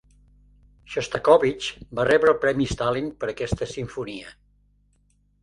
Xostakóvitx va rebre el Premi Stalin per aquesta simfonia.